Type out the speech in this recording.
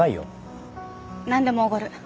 何でもおごる。